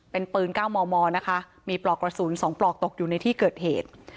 เป็นปืน๙มมนะคะมีปลอกกระสุน๒ปลอกตกอยู่ในที่เกิดเหตุ